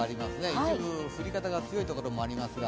一部降り方が強いところがありますけど。